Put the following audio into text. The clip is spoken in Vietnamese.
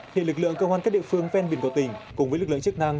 hiện lực lượng cơ quan các địa phương ven biển cầu tỉnh cùng với lực lượng chức năng